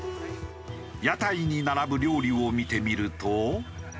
屋台に並ぶ料理を見てみると。